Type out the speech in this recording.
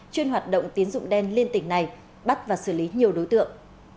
chuyên hoạt động tín dụng đen liên tỉnh này bắt và xử lý nhiều đối tượng